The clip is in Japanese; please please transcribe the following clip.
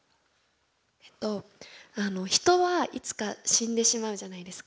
えっと人はいつか死んでしまうじゃないですか。